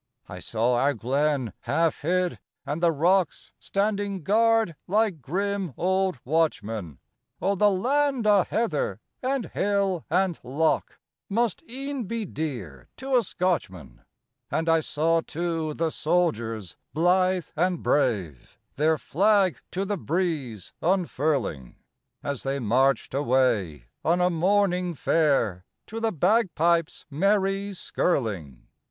I saw our glen, half hid, and the rocks Standing guard like grim old watchmen. Oh, the land o' heather and hill and loch Must e'en be dear to a Scotchman. And I saw, too, the soldiers blithe and brave Their flag to the breeze unfurling, As they marched away on a morning fair To the bagpipes' merry skirling.